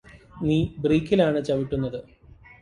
നീ ബ്രേക്കിലാണ് ചവിട്ടുന്നത്